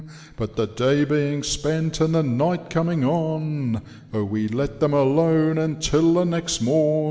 But the day being spent, And the night coming on, Oh, we let them alone Until the next mom."